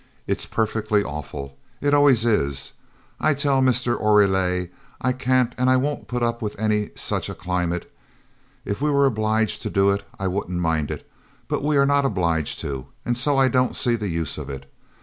It's perfectly awful. It always is. I tell Mr. Oreille I can't and I won't put up with any such a climate. If we were obliged to do it, I wouldn't mind it; but we are not obliged to, and so I don't see the use of it.